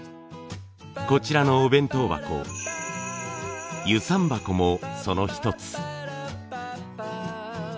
こちらのお弁当箱遊山箱もその一つ。